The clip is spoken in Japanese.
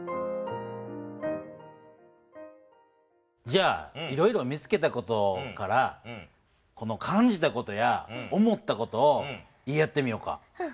じゃあいろいろ見つけた事から感じた事や思った事を言い合ってみようか。